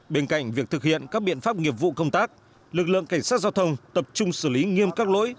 bên cạnh việc thực hiện các biện pháp nghiệp vụ công tác lực lượng cảnh sát giao thông tập trung xử lý nghiêm các lỗi